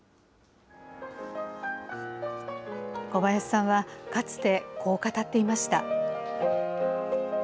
小林さんはかつて、こう語っていました。